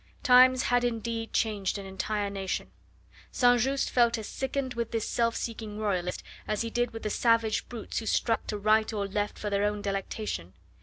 Times had indeed changed an entire nation. St. Just felt as sickened with this self seeking Royalist as he did with the savage brutes who struck to right or left for their own delectation.